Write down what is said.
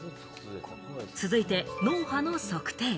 続いて脳波の測定。